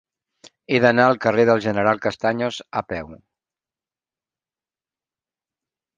He d'anar al carrer del General Castaños a peu.